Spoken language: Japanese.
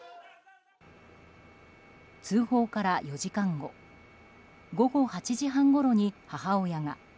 通報から４時間後午後８時半ごろに母親が。